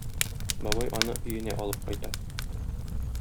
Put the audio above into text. Бабай аны өенә алып кайта.